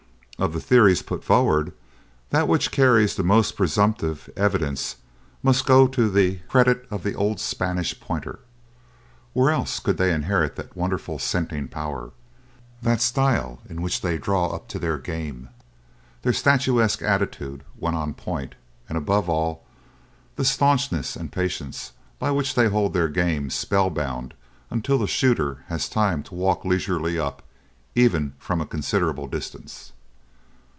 Of the theories put forward, that which carries the most presumptive evidence must go to the credit of the old Spanish Pointer. Where else could they inherit that wonderful scenting power, that style in which they draw up to their game, their statuesque attitude when on point, and, above all, the staunchness and patience by which they hold their game spellbound until the shooter has time to walk leisurely up, even from a considerable distance?